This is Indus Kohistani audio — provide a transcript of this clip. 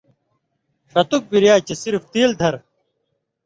ݜتُک بِریائ چے صرف تیل دھرہۡ ،